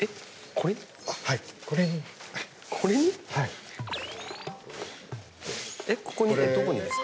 ここにってどこにですか？